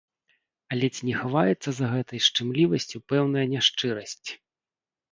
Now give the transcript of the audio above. Але ці не хаваецца за гэтай шчымлівасцю пэўная няшчырасць?